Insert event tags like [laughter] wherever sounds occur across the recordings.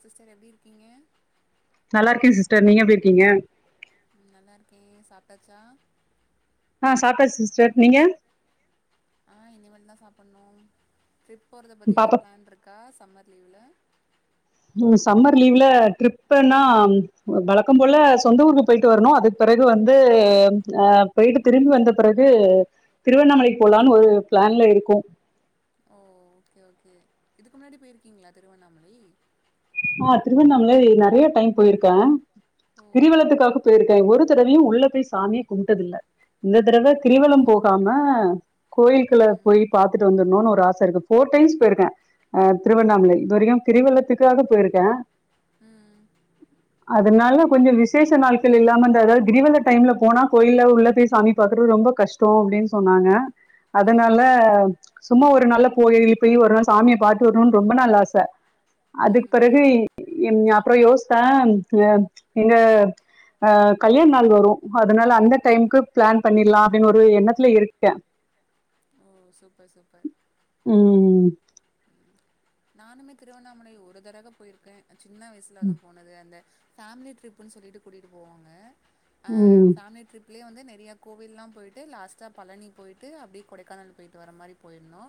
Sister எப்டி இருக்கீங்க நல்ல இருக்கே சிஸ்டர் நீங்க எப்டி இருக்கீங்கே நல்லா இருக்கே சாப்ட்டாச்சா ஆ சாப்ட்டாச்சு சிஸ்டர் நீங்க ம் ட்ரிப் போகறத பத்தி எதுவு பாப்பா ப்ளான் இருக்கா சம்மர் லீவுல ம் சம்மர் லீவ்ல ட்ரிப்புன்னா ம் வழக்க போல சொந்த ஊருக்கு போயிட்டு வரணு அதுக்கு பிறகு வந்து ஆ போயிட்டு திரும்பி வந்த பிறகு திருவண்ணாமலைக்கு போலான் ஒரு ப்ளான்ல இருக்கோ ஓ ஓகே ஓகே இதுக்கு முன்னாடி போயிருக்கீங்களா திருவண்ணாமலை ஆ திருவண்ணாமல நெறைய டைம் போயிருக்கேங்க ஓ கிரிவலத்துக்காக போயிருக்கா ஒரு ஒரு தடவயு உள்ள போய் சாமியே கும்ப்ட்டதில்ல இந்த தடவ கிரிவல அப்டியா போகாம கோயில்கள ம் போய் பாத்துட்டு வந்துருன்னு ஒரு ஆச இருக்கு ஃபோர் டைம்ஸ் போயிருக்கே ஆ ஓ திருவண்ணாமலைக் இதுவரைக்கு கிரிவலத்துக் த்து தடவ போயிருக்கே ம் அதனால கொஞ்ச விசேஷ நாள்ட்கள் இல்லாம இருந்த அதாவது கிரிவல டைம்ல போனா கோயில்ல உள்ள போய் சாமி பாக்கறது ரொம்ப கஷ்டோ அப்டின் சொன்னாங்க ம் அதனால சும்மா ஒரு நாள்லா போய் போய் ஒரு நாள் சாமியை பாத்து வரணுன்னு ரொம்ப நாள் ஆச அதுக் ம் பிறகு ம் எம் அப்புற யோஸ் ஆ ம் எங்க ஆ கல்யாண நாள் வரு அதனால அந்த டைம்க்கு ப்ளான் பண்ணிலா அப்டின்னு ஒரு எண்ணத்துல இருக்கே ஓ சூப்பர்-சூப்பர் உம் நானுமே திருவண்ணாமலை ஒரு தடவ போயிருக்கேன் சின்ன வயசல அதுவும் போனது அந்த பேமிலி ட்ரிப்புன்னு சொல்லிட்டு கூட்டிகிட்டு போவாங்க அ உம் சாமி ட்ரிப் இப்பலா வந்து நெறைய கோவில்லா போய்ட்டு லாஸ்ட்டா பலனி போய்ட்டு கொடைக்கானல் போய்ட்டு வர மாறி போயிருந்தோ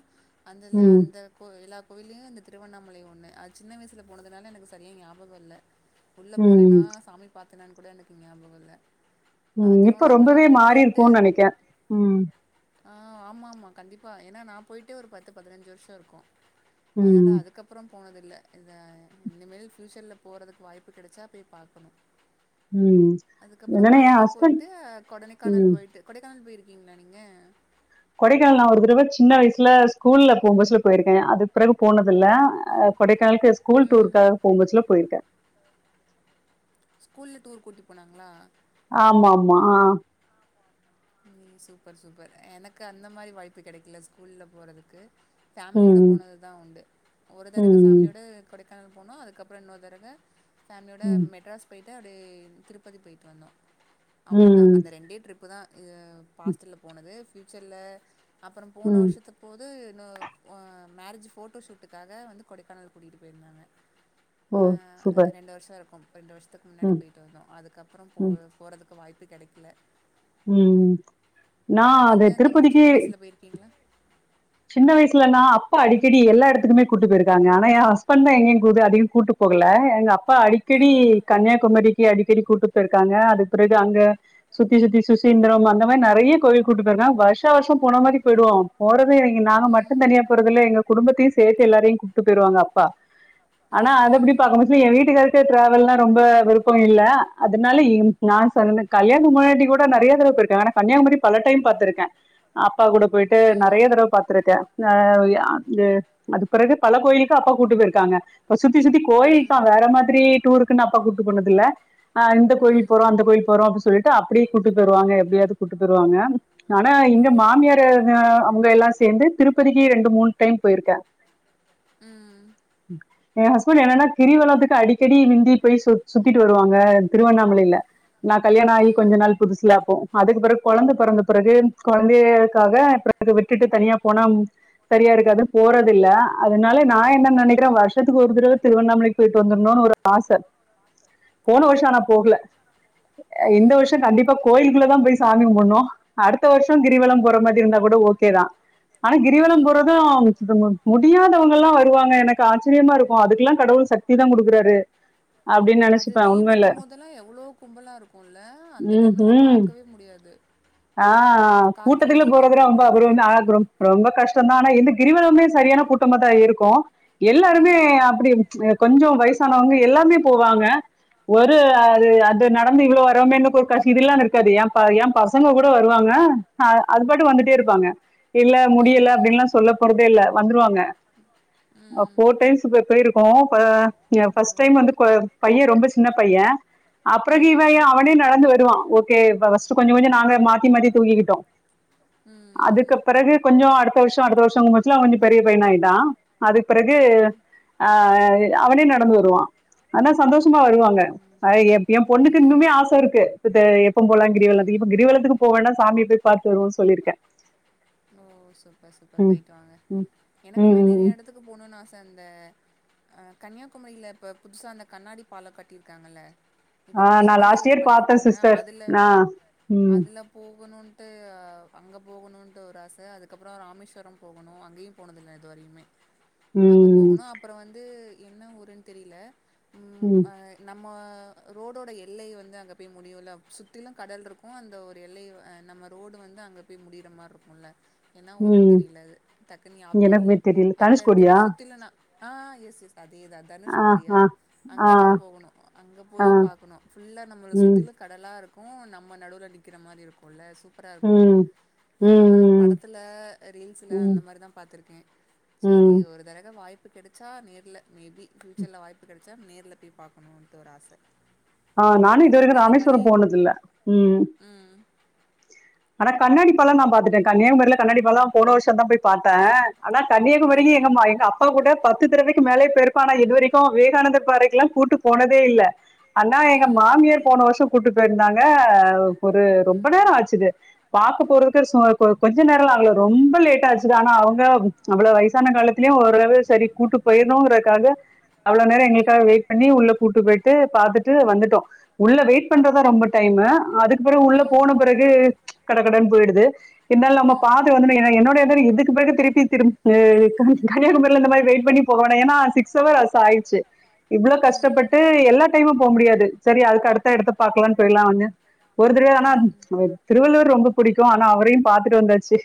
அதுல உம் அந்த கோய்ல்லா இ இந்த திருவண்ணாமலை ஒண்ணு அது சின்ன வயசல போனதுனால எனக்கு சரியா ஞாபகம் இல்ல உள்ள உம் போனேன்னா சாமி பார்த்த என்னானு கூட எனக்கு ஞாபகம் இல்ல அ உம் இப்ப திருவண்ணாமலை ரொம்பவே போயிட்டு மாறிருக்கும்ன்னு நினைக்கிறேன் உம் ஆ ஆமா ஆமா கண்டிப்பா ஏன்னா நான் போயிட்டே ஒரு பத்து பதினஞ்சு வருஷம் இருக்கும் அதனால உம் அதுக்கப்புறம் போனத இல்ல இத இனிமேல் ஃபயூச்சர்ல் போகறதுக்கு வாய்ப்பு கிடைச்சா போய் பார்க்கணும் உம் அதுக்கப்புறம் என்னன்னா என் பழனி ஹஸ்பண்ட் போயிட்டு உம் கொடைனக்கானல் போயிட்டு கொடைக்கானல் போயிருக்கு ங்களா நீங்க கொடைக்கானல் நான் ஒரு தடவை சின்ன வயசுல ஸ்கூல்ல போகும் பசுல போயிருக்கேன் அது பிறகு போனது கொடைக்கானக்கு ஸ்கூல் ம். டூருக்காக போகும்பச்சல போயிருக்கேன் ஸ்கூல்ல டூர் கூட்டி போனாங்களா ஆமா ஆமா ஆ ம் சூப்பர் சூப்பர் எனக்கு அந்த மாதிரி வாய்ப்பு கிடைக்கல ஸ்கூல்ல போறதுக்கு ஃபேமிலியோட ம், போனதுதான் உண்டு ஒரு தரவை ம், ஃபேமிலியோட கொடை கனல் போனோம் அதுக்கப்புறம் இன்னரு தடவை பேமிலியோட ம், மெட்ராஸ் போயிட்டு அப்படியே திருப்பதி போயிட்டு வந்தோம் அவ்வளவுதான் ம், அந்த ரெண்டே ட்ரிப்பு தான் இது ம், ஹாஸ்டலில் போனது ப்யுட்சர்ல அப்புறம் போன ம். வருஷத்த போது இன்ன மேரேஜ் ஃபோட்டோ ஷூட்டுக்காக வந்து கொடைக்கானல் கூட்டிகிட்டு போயிருந்தாங்க ஓ சூப்பர் ரெண்டு வருஷத்துக்குமுன்னாடி ம், போயிட்டு வந்தோம் அதுக்கப்புறம் ம், போகிறதுக்கு வாய்ப்பு கிடைக்கல உம் நீங்க இந்த மாதிரி சின்ன வயசுல போயிருக்கீங்களா சின்ன வயசுலனா அப்பா அடிக்கடி எல்லா எடத்துக்குமே கூட்டு போயிருக்காங்க ஆனா என் ஹஸ்பண்ட் தான் எங்கிய கூது அதிக கூட்டு போகல எங்க அப் பா ஆ. அடிக்கடி கன்னியாகுமரிக்கு அடி அடிக்கடி கூட்டு போய் இருக்காங்க அதுக் பிறகு அங்க சுத்தி சுத்தி சுசீந்திரம் அந்த மாரி நறையா கோயில் கூட்டு போய் இருக்காங்க வருஷம் வருஷம் போன மாரி போய்டுவோம் போறது பே எறங்கி நாங்க மட்டும் ம். தனியா போறதுல எங்க குடும்பத்தையும் சேத்து எல்லாரையும் கூப்ட்டு போய்ருவாங்க அப்பா ஆனா ம். அது எப்படி ம். பாக்க மோஸ்ட்லி என் வீட்டுக்காரு க்கு டிராவல்னா ரொம்ப விருப்பம் இல்ல அதனால என் நான் சொன்ன கல்யாண முன்னாடி கூட நறையா தடவ போய் இருக்கேன் ஆனா கன்னியாகுமரி பல டைம் பாத்துருக்கேன் அப் அப்பா கூட போயிட்டு நா ம். பாத்துருக்க நா உயா இந்த அது பிறகு பல கோயிலுக்கு அப்பா கூட்டு போயிருக்காங்க ப்ப சுத்தி சுத்தி கோயில்தா ம். வேற மாதிரி டூருக்குன்னு அப்பா கூட்டு போனது இல்ல ஆ இந்த கோயில் போறோ ம். அந்த கோயில் போறோ அப்டி சொல் ட்டு அப்டி கூட்டு போயிருவாங்க எப்படியாவது கூட்டு போயிருவாங்க ஆனா ஓ! இங்க மாமியார் அவுங்க எல்லாம் சேந்து திருப்பதிக்கே ரெண்டு மூணு டைம் போயிருக்கேன் ம். ம் என் ஹஸ்பண்ட் என்னன்னா கிரிவலத்துக்கு அடிக்கடி விந்தி போய் சு சுத்திட்டு வருவாங்க திருவண்ணாமலைல நா கல்யாண ஆகி ம். கொஞ்ச நாள் புதுசுலா அப்போ அதுக்கு பிறகு கொழந்த பிறந்த பிறகு கொழந்தையேக்காக அப்ற எனக்கு விட்டுட்டு தனியா போனா சரியா இருக்காது போறதில்ல அதனால நான் என்ன நெனக்கிற வருஷத்துக்கு ஒரு தடவ திருவண்ணாமலைக்கு போயிட்டு வந்துனுனு ஒரு ஆச போன ஓ! வருஷம் ஆனா போகல இந்த ம். வருஷம் கண்டிப்பா கோயிலுக்குள்ளதா போய் சாமி கும்பனும் அடுத்த வருஷம் கிரிவலம் போற மாதிரி இருந்தா கூட ஓகேதான் ஆனா கிரிவலம் ம். போறதும் முடியாதவங்கலாம் வருவாங்க எனக்கு ஆச்சரியமா இருக்கும் அதுக்குெல்லாம் கடவுள் சக்தி தான் கொடுக்கறாரு அது தீபத்து முதெல்ல எவ்ளோ கும்பலா இருக்கும் இல்ல அந்த டைம்லா ம்ஹ்ம். பாக்கவே முடியாது ஆ அது கார்த்திகை கூட்டத்துல தீபம் போறதுர ரொம்ப இருக்கும் வரும்ல. அபூர்வம் தா ரொம்ப கஷ்டம்தா னா இந்த கிரிவலமே சரியான கூட்டம் தான் இருக்கும் எல்லாருமே ம். அப்டி கொஞ்சம் வயசானவங்க எல்லாமே போவாங்க ஒரு அ அது அது நடந்து இவ்ளோ வரமே இன்னுக்கொரு கசிதுல்லா அங்க இருக்காது ஏம்ப்பா ஏம்ப்பா. பொண்ணுங்ககூட வருவாங்க அப் அது பாட்டு வந்துட்டே இருப்பாங்க இல்ல முடியல ம். ம். அப்படின்னுல்லாம் சொல்ல போறதே இல்ல வந்துருவாங்க ம். போர்டைம்ஸ் போயிருக்கும் ப ஓ! பஸ்டைம் வந்து கொ பையன் ரொம்ப சின்ன பையன் அப்ரொகு இவ ம். ஏ அவனே நடந்து வருவான் ஓகே பஸ்ட்டு கொஞ்சம் கொஞ்சம் நா. அவங்க மாத்திமாத்தி தூக்கிகிட்டோம் அதுக்கு ம். பிறகு கொஞ்சம் அடுத்த வருஷொ அடுத்த வருஷொங்கபோதுல அவன் கொஞ்சோ பெரிய பையனா ஆய்ட்டான் அதுக்பிறகு ம். ஆ அவனே நடந்து வருவான் ஆனா சந்தோஷமா வருவாங்க அ எ ஏ பொண்ணுக்கு இன்னுமே ம். ஆச இருக்கு இப்ப த எப்ப போலா கிரிவலத்துக்கு ம். இப்ப கிரிவல. த்துக்கு போவேன்னா சாமிய போய் பாத்து வருவோம் சொல்லியிருக்கேன். ஓ சூப்பர் சூப்பர் ம், போயிட்டு வாங்க ம், எனக்குமே ம், ம். நெறையா எடத்துக்கு போணும்னு ஆச. அந்த அ கன்னியாகுமரியில இப்ப புதுசா அந்த கண்ணாடிபாலோ கட்டியிருக்காங்கல்ல. இப்ப ஆஹ் நான் புதுசாதான லாஸ்ட் அது இயர் பார்த்தேன் பண்ணிருக்காங்க சிஸ்டர் அதுல நான் ம் அதுல போகணு. த்து அங்க போகணுட்டு ஒரு ஆச அதுக். அக்கப்புறோ ராமேஸ்வரோ போகணு அங்கயு போனதுல்ல இதுவரையுமே. அங்க ம் போகணு அப்புறோ வந்து. இன்ன ஊருன்னு தெரியல. ம். நம்ம ரோடோட எல்லய வந்து அங்க போய் முடியும்ல சுத்திலு கடல் இருக்கு அந்த ஒரு எல்லய நம்ம ரோடு வந்து அங்க போய் முடியிற மாரி இருக்கும்ல. என்னா ஊருன்னு ம் தெரியல அது டக்குன்னு ஞாபக இல்ல எனக்கு தெரியல அந்த இடத்துக்கு தனுஷ்கோடியா சுத்திலனா. ஆ எஸ் எஸ். அதேதா ஆ தனுஷ்கோடியா ஆ ஆ அங்கதா போகணு அங்கே ஆ. போய் பாக்கணு ஃபுல்லா நம்மள ம். சுத்திலு கடலா இருக் கு நம்ம நடுவில நிக்கற மாரி இருக்கும்ல்ல சு. சூப்பராஇருக்கு அது ம். நா ஆ. ம். படத்தில ரீல்ஸில அந்த ம். மாரிதா பாத்துருக்கே சேரி ம். ஒரு தரக வாய்ப். கிடச்சா நேர்ல மே பி பியூச்சர்ல வாய்ப்பு கிடைச்சா நேர்ல போய் பாக்கணுட்டு ஒரு ஆச. ஆ நானு இது வரைக்கு உங்களுக்கு அந்த ராமேஸ்வரோ மாரி போனது இல்ல ம். ம் ஆனா கண்ணாடிபல நா பாத்துட்டே கன்னியாகுரியில கண்ணாடிபல போன வருஷதாபோய் பாத்தே. ஆனா ஓ கண்ணியாகுமரிக்கு எங்கம்மா எங்க அப்பா கூட பத். த்தறவைக்கு மேலே பேருக்கே ஆனா இதுவரைக்கு வேகானந்தர் பாறைக்குல்லா கூட்டு போனதே இல்ல. அண்ணா எங்க ம் ம் மாமியார் ம் போன வருஷோ கூட்டு போய் இருந்தாங். ஆ ஒரு ரொம்ப ம் நேரொ ஆச்சுது. பாக்க போறதுக்கு சு கொ கொஞ்சநேரொல்லா ஆகல ரொம்ப லேடட்டா ஆச்சுது ஆனா அவங்க அவ்வளவு வயசான காலத்திலயு ஓரளவு சரி கூட்டு போயிணுங்கறதுக்காக. அவ்ளோ நேரரொ எங்களுக்காக ம் வெயிட் பண்ணி உள்ள கூட்டு போயிட்டு. பாத்துட்டு வந்துட்டோ உள்ள வெயிட் பண்றதா ரொம்ப டைம் அதுக். ப்றோ உள்ள போன பிறகு. கட கடனு போயிடுது. என்னால நம்ம ம் பாத்துவந்துணு ஏனா என்னுடைய இதுக்கு பிறகு திருப்பி திரும். கன்னியாகுமரியல இந்த மாரி வெயிட் பண்ணி போக வேணா ஏன்னா சிக்ஸ் ஹவர் அஸ்ச ஆயிச்சி. இவ்வளோ ம் கஷ்டப்பட்டு எல்லா டைமும் போ முடியாது சரியா. து அடுத்து அடுத்து பாக்கலான் போயிருலா வாங்க ஒரு தடவயானா ம் [inaudible] திருவள்ளுவர் ரொம்ப புடிக்கும் ஆனா அவரையும் பாத்துட்டு வந்தாச்சு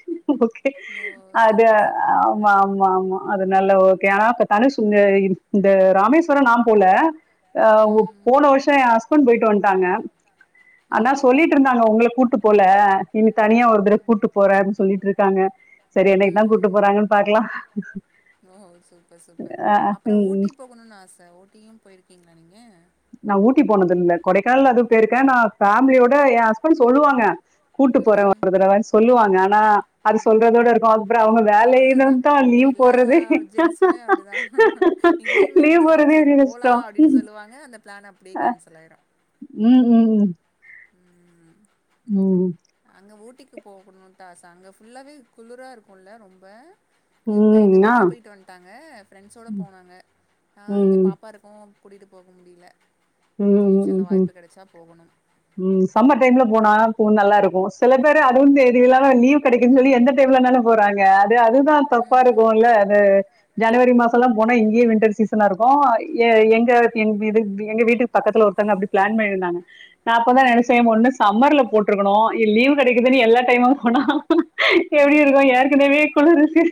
ஓகே ஓ அது சூப்பர் சூப்பர் ஆமா ஆமா ஆமா அது நல்ல ஓகே ஆனா இப்ப தனுஷ் இந்த இந்த ராமேஸ்வரோ நா போல அ ஓ ம் போன வருஷோ எ ஹஸ்பாண்ட் போயிட் டு வன்ட்டாங்க ஆனா ம் சொல்லிட்ருந்தாங்க உங்கள கூட்டு ஆ இன்னிக் தனியா ஒரு தட கூட்டு போற அப்டின் சொல்லிட்டு இருக்காங்க சேரி என்னைக்குதா கூட்டு ம் போறாங்கன்னு பாக்கலா ஓ சூப்பர் சூப்பர் ஆ ஆ அப்றோ ம் ஊட்டி போகணுன்னு ஆச ஊட்டியும் போயிருக்கீங்களா நீங்க நா ஊட்டி போனது இல்ல கொடைக்கானலு அது போயிருக்க நா ஃபேமிலியோட எ ஹஸ்பண்ட் சொல்லுவாங்க கூட்டு போற ம் ஒரு தடவன் சொல்லுவாங்க ஆனா அது ம் சொல்றதோட இருக்கு அப்புறோ அவங்க வேலையின் அவ்ளோதா வந்தா லீவ் எல்லா போடுறதே ஜென்ஸுமே அப்டிதா இங்கேயுமே லீவ் அப்டிதா போறதே செரி பெரிய போலா கஷ்டோ அப்டின்னு ம் சொல்லுவாங்க அந்த பிளான் அப்டியே ஆ கேன்சல் ம் ம் ம்ம்ம் ம்ம் அங்க ஊட்டிக்கு போகணுன்தா ஆச அங்க ஃபுல்லாவே குளுரா இருக்குல்ல ரொம்ப இவங்க ம் எங்க ம் ஆ வீட்ல போயிட்டு வன்ட்டாங்க ஃப்ரெண்ட்ஸோட போனாங்க ஆ ம் இங்க ம் பாப்பா இருக்கும் கூட்டிட்டு போக முடியில ம் ம் ம் ம் சம்மர் டைம்ல போனா பூ நல்லா இருக்கு சில பேரு அதுவும் தேவையில்லாம லீவு கெடைக்கும்முன் சொல்லி எந்த டைம்லனாலு போறாங்க து அதுதா தப்பா ம் இருக்குல்ல அது ஜனவரி மாசல்லா போனா இங்கயே வின்டர் சீசனா இருக்கு எ எங்க இது எங்க வீட்டுக் பக்கத்துல ஒருத்தங்க அப்டி பிளேன் பண்ணிருந்தாங்க நா அப்பதா ம் நெனச்சே ஒன்னு சம்மர்ல போட்ருக்கணு இ லீவ் கெடைக்குதுனு எல்லா டைமும் போனா எப்டி இருக்கு ஏற்கனவே குளுருச்சு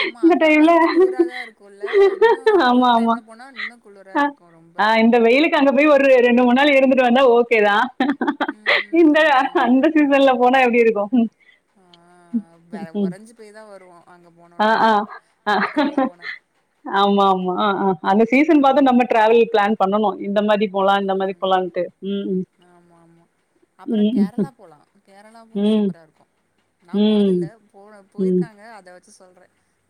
ஆம்மா அங்க ஆல்ரெடி குளுராதா இருக்கு இல்ல இன்னு ஆமா, குளிரு ஆமா. டைம்ல போனா இன்னு குளுரா அ இருக்கு ரொம்ப ஆ இந்த வெயிலுக்கு அங்க போய் ஒரு ரெண்டு மூணு நாள் இருந்துட்டு வந்தா ஓகேதா ம் இந்த ஆமா ஆமா அந்த சீசன்ல போனா எப்டி இருக்கு ம் ஆ வெ ம் ம் ம் ஒறைஞ்சு போய் தா வருவோ அங்க ஆ போனோனா ஆ ஆ ஆ அந்த டைம்ல போனா ஆமா ஆமா ஆ ஆ அந்த சீசன் பாத்து நம்ம ம் டிராவல் பிளேன் பண்ணனு ம் ஆமா ஆமா அப்புறோ ம் ம் கேரளா போலா கேரளாவு ம் சூப்பரா இருக்கு நா ம் போனதில்ல போன ம் போயிருக்காங்க அத வெச் வெச்சு சொல்ற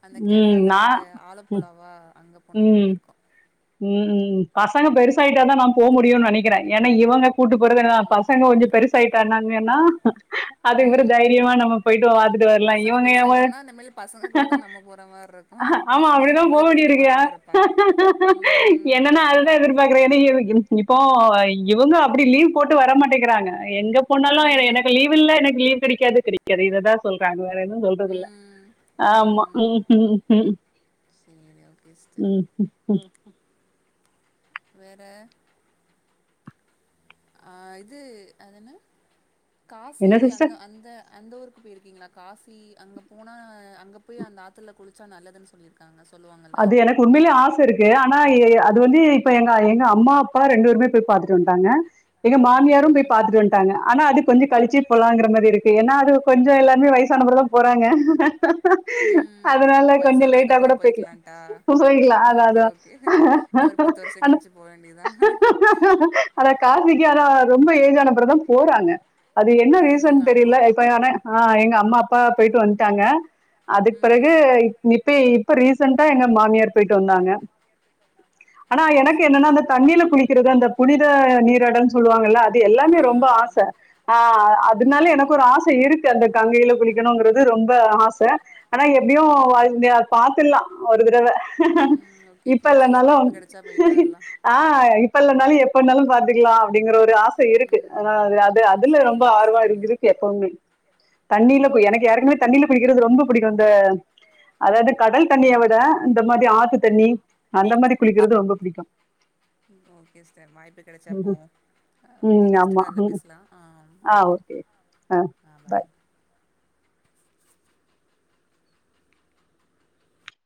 அந்த ம் கேரளால்ல நா அந்த ம் ஆலப்புழாவா அங்கப் போனா ம் நல்லாருக்கு ம் ம் பசங்க பெரு சாயிட்டா தா நா போ முடியு நெனக்கிறே ஏனா இவங்க கூட்டு போறதுனா ம் பசங்க கொஞ்ச பெருசாயிட்டானாங்கன்னா அ அதுக்குப்புற ம் தைரியமா நம்ம போயிட்டு பாத்துட்டு வர்லா பசங்க இவுங்க எவ பெருசாயிட்டாங்கன்னா இனிமேல் பசங்க கூட தா நம்ம போற மாரி இருக்கு ஆமா பசங்க தா அப்புடிதா நம்மள கூட்டிட்டு போற போவேண்டிருக்குயா மாரி இருப்பாங்க ம் என்னனா அதுதா ஆமா எதிர்பாக்குறே எனா இரு இன் இப்போ ஓ இவுங்க அப்டி லீவ் போட்டு வர மாட்டேக்கிறாங்க எங்க போனாலு ம் எனக்கு லீவ் இல்ல எனக்கு லீவ் கெடைக்காது கெடைக்காது இததா சொல்றாங்க வேற எ து சொல்றதுல்ல ம் ஆமா ம் செரி செரி சேரி ஓகே சிஸ்டர் வேற ஆ இது அதென்ன காஃபி என்ன அந்த சிஸ்டர் அந்த அந்த ஊருக்கு போயிருக்கீங்ளா காசி அங்க போனா அங்க போய் அந்த ஆத்துல குளிச்சா நல்லதுன் சொல்லிருக்காங்க அது எனக்கு உண்மைலே ஆச இருக்கு அ னா அது வந்து இப்ப எங்க எங்க அம்மா அப்பா ரெண்டு பேருமே போய் பாத்துட்டு வன்டாங்க எங்க மாமியாரு ம் போய் பாத்துட்டு வன்ட்டாங்க ஆனா அது கொஞ்சொ கழிச்சி போலாங்குற மாரி இருக்கு என்னா அது கொஞ்சொ எல்லாருமே வயசானப்புறதா போறாங்க ம் அதனால ஆமா கொஞ்ச வயசானதுக்கு லேட்டா கூட அப்புறம் போய்க்கலா போய்க்கலான்ட்டா போய்க்லா அதா ஓகே அதா ஓகே இன்னும் ஒரு பத்து வருஷம் அந்த கழிச்சு போ வேண்டியதா அதா காசிக்கு ஆனா ரொம்ப ஏஜ் ஆனப்புறதா போறாங்க அது என்ன ம் ரீசன் ஆமா தெரில ஆமா இப்ப ஆன ஆ எங்க அம்மா அப்பா போயிட்டு வன்ட்டாங்க அதுக் பெறகு ம் இப்பயே இப் ப ரீ சன்ட்டா எங்க மாமியார் போயிட்டு வந்தாங்க ஓ ஆனா எனக்கு சூப்பர் என்னனா அந்த சூப்பர் தண்ணில குளிக்கிறது அந்த புனித நீராடல்னு சொல்வா இப்ப இல்ல அது ஆ எல்லாமே ரொம்ப ஆச ஆ அத்னாலே எனக்கு ம் ஒரு ஆச இருக்கு அந்த கங்கையில குளிக்கணுங்றது ரொம்ப ஆச ஆனா எப்டியும் ம் வந்து அது பாத்தில்ல ஒரு தடவ ம் ஓகே இப்ப ஃப்யூச்சர்ல இல்லனாலும் வாய்ப்பு கெடச்சா போயிட்டு வரலா ஆ இப்ப இல்லனாலும் எப்பனாலும் பாத்துக்லா அப்டிங்ற ஒரு இது ஆச இருக்கு ஆனா அது அது அதுல ரொம்ப சேரிங்க ஆர்வோ சிஸ்டர் இருக்குது எப்பவுமே தண்ணில குய் ஓகே எனக்கு ஓகே ஏற்கனவே தண்ணில குளிக்கிறது ரொம்ப புடிக்கும் இந்த அதாது கடல் தண்ணிய விட இந்த மாரி ஆத்து தண்ணி டி அந்த மாதிரி ஆ குளிக்கிறது ரொம்ப பிடிக்கும் ம் ஓகே சிஸ்டர் வாய்ப்பு கெடைச்சா போவோ ஆ ம் ஓகே நெக்ஸ்ட் ஆமா கால்ல ம் பேசுலா ஆ ஓகே ஆ பாய்